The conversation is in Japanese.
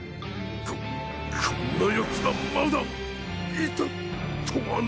ここんなヤツがまだいたとはな。